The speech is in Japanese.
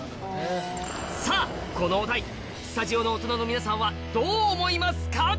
さぁこのお題スタジオの大人の皆さんはどう思いますか？